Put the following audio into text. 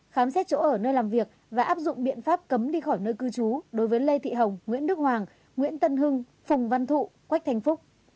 khám xét chỗ ở nơi làm việc và áp dụng biện pháp cấm đi khỏi nơi cư trú đối với lê thị hồng nguyễn đức hoàng nguyễn tân hưng phùng văn thụ quách thanh phúc